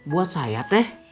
buat saya teh